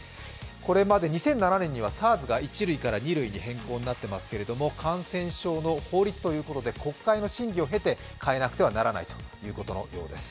これまで２００７年にはＳＡＲＳが１類から２類に変更されていますが感染症の法律ということで国会の審議を経て変えなくてはならないということのようです。